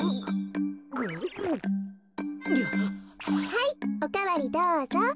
はいおかわりどうぞ。